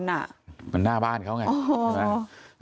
เหมือนหน้าบ้านเขาไง